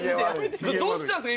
どうしたんですか？